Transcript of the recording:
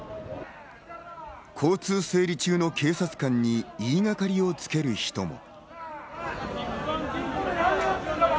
交通整備中の警察官に言いがかりをつける人も。